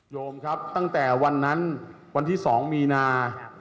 โยมครับตั้งแต่วันนั้นวันที่๒มีนา